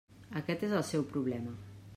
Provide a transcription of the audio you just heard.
Aquest és el seu problema.